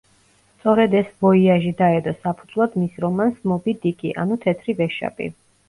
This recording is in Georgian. სწორედ ეს ვოიაჟი დაედო საფუძვლად მის რომანს „მობი–დიკი, ანუ თეთრი ვეშაპი“.